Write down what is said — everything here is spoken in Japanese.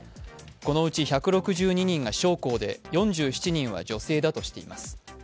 このうち１６２人が将校で４７人は女性だとしています。